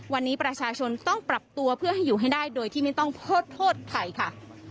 วันนี้ประชาชนต้องปรับตัวเพื่อให้อยู่ให้ได้โดยที่ไม่ต้องโทษโทษใครค่ะ